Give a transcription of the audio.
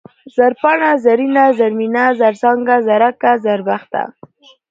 زرپاڼه ، زرينه ، زرمينه ، زرڅانگه ، زرکه ، زربخته